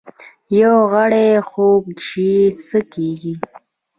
یو غړی خوږ شي څه کیږي؟